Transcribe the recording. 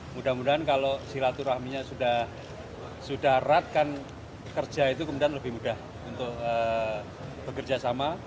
mudah mudahan kalau silaturahimnya sudah ratkan kerja itu kemudian lebih mudah untuk bekerja sama